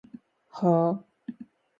はーーー？